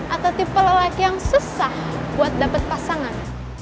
atau tipe lelaki yang susah buat dapet pasangan